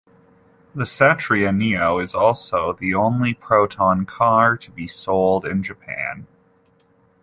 The Satria Neo is also the only Proton car to be sold in Japan.